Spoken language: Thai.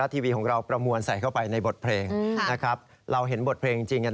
ทีวีของเราประมวลใส่เข้าไปในบทเพลงนะครับเราเห็นบทเพลงจริงกัน